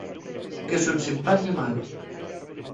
Quesu ensin pan ye malo.